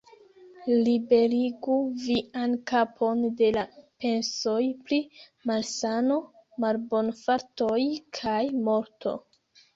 Liberigu vian kapon de la pensoj pri malsano, malbonfartoj kaj morto.